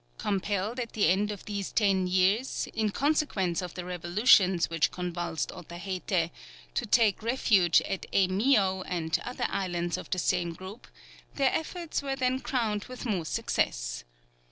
Compelled at the end of these ten years, in consequence of the revolutions which convulsed Otaheite, to take refuge at Eimeo and other islands of the same group, their efforts were there crowned with more success.